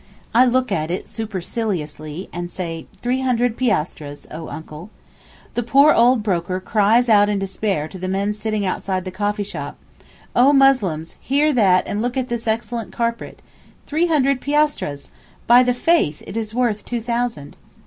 I look at it superciliously, and say, 'Three hundred piastres, O uncle,' the poor old broker cries out in despair to the men sitting outside the coffee shop: 'O Muslims, hear that and look at this excellent carpet. Three hundred piastres! By the faith, it is worth two thousand!